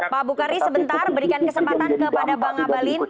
pak bu hari sebentar berikan kesempatan kepada bang abalin